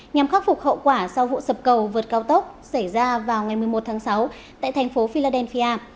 nhằm khắc phục hậu quả sau vụ sập cầu vượt cao tốc xảy ra vào ngày một mươi một tháng sáu tại thành phố philadelphia